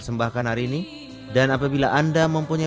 salam kasih dan sejahtera